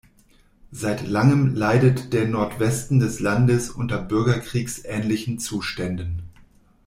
Seit langem leidet der Nordwesten des Landes unter bürgerkriegsähnlichen Zuständen.